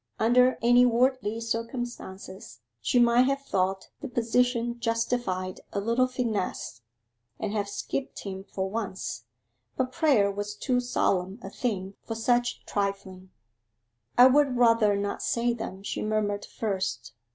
Under any worldly circumstances she might have thought the position justified a little finesse, and have skipped him for once; but prayer was too solemn a thing for such trifling. 'I would rather not say them,' she murmured first.